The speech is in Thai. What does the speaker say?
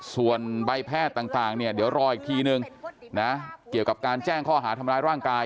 ส่วนใบแพทย์ต่างเนี่ยเดี๋ยวรออีกทีนึงนะเกี่ยวกับการแจ้งข้อหาทำร้ายร่างกาย